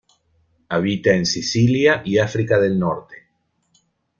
Habita en Sicilia y África del Norte.